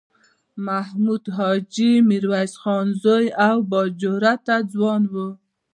محمود حاجي میرویس خان زوی او با جرئته ځوان و.